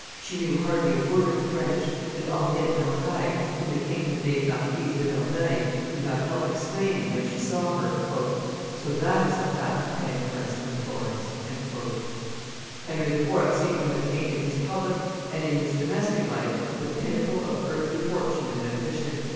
She knew hardly a word of French; and Henriette d'Entraigues, whom the king had made Marquise do Verneuil, could not help exclaiming when she saw her, "So that is the fat bankeress from Florence!" Henry IV. seemed to have attained in his public and in his domestic life the pinnacle of earthly fortune and ambition.